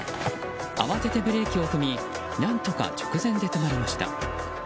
慌ててブレーキを踏み何とか直前で止まりました。